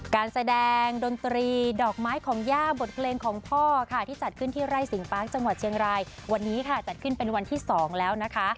การแสดงดนตรีดอกไม้ของย่าบทเพลงของพ่อค่ะที่จัดขึ้นที่ไร่สิงปาร์คจังหวัดเชียงรายวันนี้ค่ะจัดขึ้นเป็นวันที่๒แล้วนะคะ